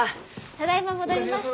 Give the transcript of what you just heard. ただいま戻りました。